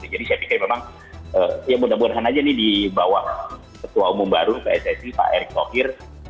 jadi saya pikir memang mudah mudahan aja ini dibawa ketua umum baru pssi pak erick tokir